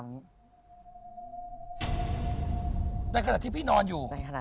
ในขณะที่พี่นอนอยู่